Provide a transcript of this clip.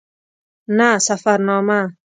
نه سفرنامه.